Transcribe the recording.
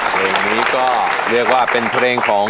เพลงนี้ก็เรียกว่าเป็นเพลงของ